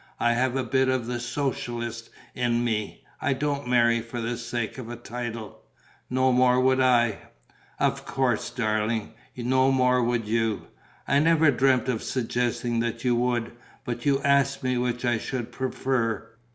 I have a bit of the socialist in me: I don't marry for the sake of a title." "No more would I." "Of course, darling, no more would you. I never dreamt of suggesting that you would. But you ask me which I should prefer.